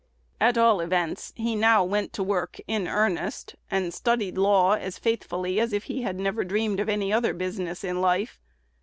At all events, he now went to work in earnest, and studied law as faithfully as if he had never dreamed of any other business in life.